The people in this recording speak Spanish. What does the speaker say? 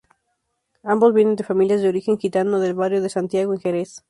Ambos vienen de familias de origen gitano del barrio de Santiago en Jerez.